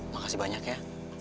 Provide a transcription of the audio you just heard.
makasih banyak ya